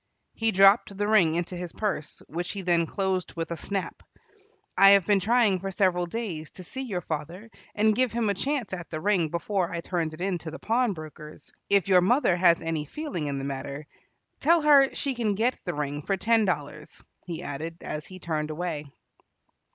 He dropped the ring into his purse, which he then closed with a snap. "I have been trying for several days to see your father and give him a chance at the ring before I turned it in to the pawnbroker's. If your mother has any feeling in the matter, tell her she can get the ring for ten dollars," he added as he turned away.